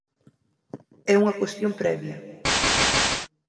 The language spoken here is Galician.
E unha cuestión previa.